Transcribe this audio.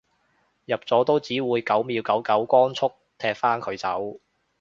入咗都只會九秒九九光速踢返佢走